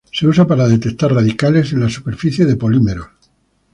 Se usa para detectar radicales en la superficie de polímeros.